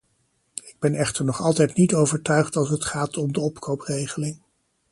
Ik ben echter nog altijd niet overtuigd als het gaat om de opkoopregeling.